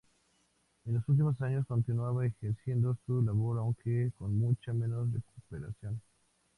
En los últimos años continuaba ejerciendo su labor aunque con mucha menos repercusión.